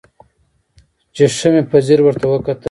چې ښه مې په ځير ورته وکتل.